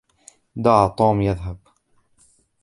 دَع توم يذهب.